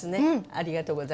ありがとうございます。